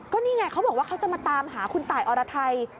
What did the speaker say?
ก็นี่ไงเขาบอกว่าเขาจะมาตามหาคุณตายอรไทย